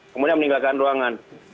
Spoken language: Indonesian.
kemudian meninggalkan ruangan